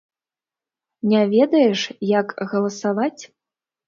Не ведаеш, як галасаваць?